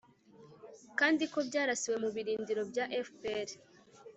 kandi ko byarasiwe mu birindiro bya fpr.